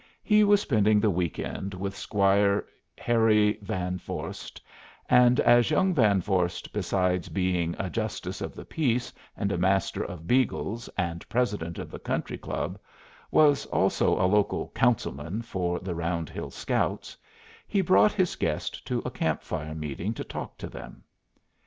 He was spending the week end with "Squire" Harry Van Vorst, and as young Van Vorst, besides being a justice of the peace and a Master of Beagles and President of the Country Club, was also a local "councilman" for the Round Hill Scouts, he brought his guest to a camp fire meeting to talk to them.